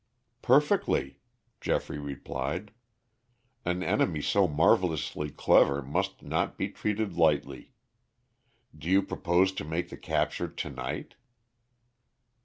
"Perfectly," Geoffrey replied. "An enemy so marvelously clever must not be treated lightly. Do you propose to make the capture to night?"